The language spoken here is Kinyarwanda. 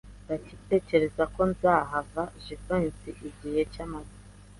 Ndatekereza ko nzaha Jivency igihe cy amagi.